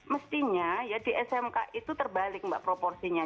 mestinya ya di smk itu terbalik mbak proporsinya